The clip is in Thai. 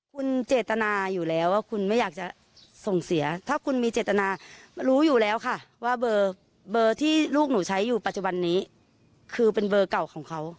คุณเจตนาอยู่แล้วว่าคุณไม่อยากจะส่งเสียถ้าคุณมีเจตนารู้อยู่แล้วค่ะว่าเบอร์ที่ลูกหนูใช้อยู่ปัจจุบันนี้คือเป็นเบอร์เก่าของเขา